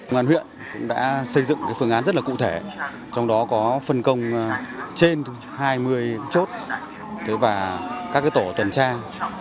ngoàn huyện cũng đã xây dựng phương án rất là cụ thể trong đó có phân công trên hai mươi chốt và các tổ tuần trang